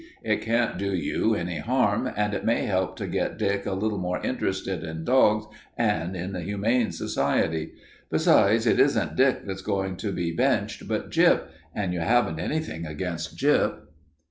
"It can't do you any harm, and it may help to get Dick a little more interested in dogs and in the Humane Society. Besides, it isn't Dick that's going to be benched, but Gyp, and you haven't anything against Gyp."